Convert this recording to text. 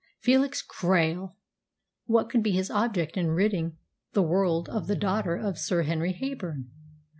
Felix Krail! What could be his object in ridding the world of the daughter of Sir Henry Heyburn!